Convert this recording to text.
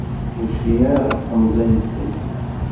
Ur cfin ara ɣef temẓi-nsen.